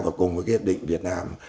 và cùng với hiệp định việt nam